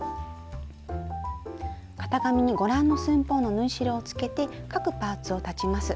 型紙にご覧の寸法の縫い代をつけて各パーツを裁ちます。